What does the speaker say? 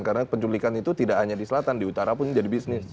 karena penculikan itu tidak hanya di selatan di utara pun jadi bisnis